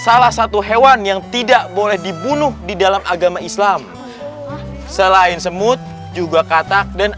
salah satu hewan yang tidak boleh dibunuh di dalam agama islam selain semut juga katak dan